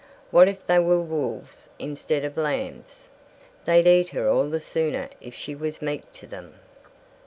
What if they were wolves instead of lambs? They'd eat her all the sooner if she was meek to them.